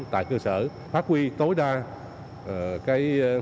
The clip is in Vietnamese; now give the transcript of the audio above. tại cơ sở phát huy tối đa